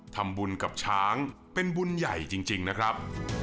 ทำบุญกับช้างเป็นบุญใหญ่จริงนะครับ